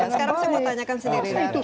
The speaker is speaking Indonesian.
sekarang saya mau tanyakan sendiri